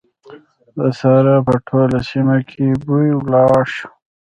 د سارا په ټوله سيمه کې بوی ولاړ شو.